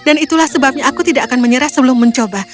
dan itulah sebabnya aku tidak akan menyerah sebelum mencoba